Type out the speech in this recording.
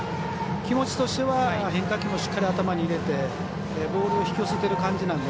気持ちとしては変化球もしっかり頭に入れてボールを引き寄せている感じなので。